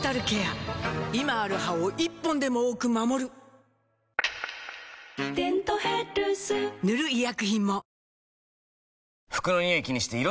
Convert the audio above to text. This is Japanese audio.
今ある歯を１本でも多く守る「デントヘルス」塗る医薬品も服のニオイ